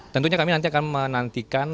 tentunya kami nanti akan menantikan